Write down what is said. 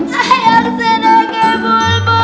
sayang sedekah bulbul